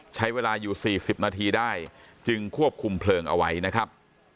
ใช้เวลาอยู่๔๐นาทีได้จึงควบคุมเพลิงเอาไว้นะครับ